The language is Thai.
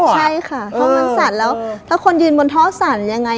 ใช่ค่ะท่อมันสั่นแล้วถ้าคนยืนบนท่อสั่นยังไง